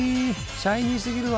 シャイニーすぎるわ！